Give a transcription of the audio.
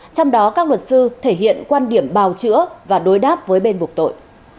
trong đó các luật sư thể hiện quan điểm bào chữa và đối đáp với bên bục tội